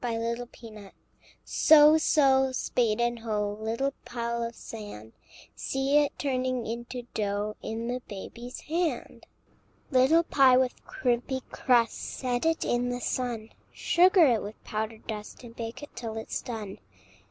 BABY'S BAKING So, so, spade and hoe, Little pile of sand; See it turning into dough In the baby's hand! Little pie with crimpy crust, Set it in the sun; Sugar it with powdered dust, And bake it till it's done.